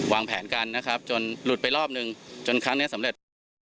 วางแผนกันจนหลุดไปรอบหนึ่งจนครั้งนี้สำเร็จ